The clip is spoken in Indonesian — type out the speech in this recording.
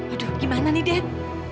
aduh gimana nih dad